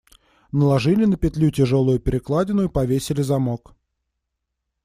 Наложили на петлю тяжелую перекладину и повесили замок.